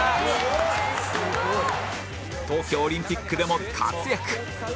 東京オリンピックでも活躍